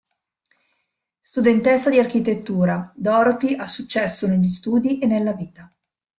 Studentessa di architettura, Dorothy ha successo negli studi e nella vita.